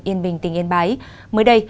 yên bình tỉnh yên bái mới đây